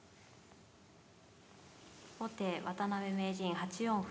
後手渡辺名人８四歩。